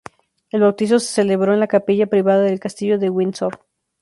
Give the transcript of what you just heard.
El bautizo se celebró en la capilla privada del Castillo de Windsor.